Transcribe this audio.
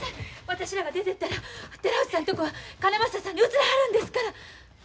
私らが出てったら寺内さんとこはかねまささんに移らはるんですから！